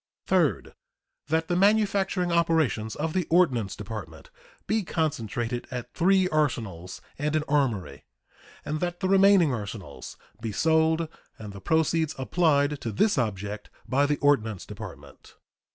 Third. That the manufacturing operations of the Ordnance Department be concentrated at three arsenals and an armory, and that the remaining arsenals be sold and the proceeds applied to this object by the Ordnance Department.